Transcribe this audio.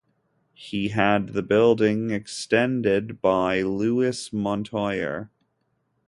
He had the building extended by Louis Montoyer.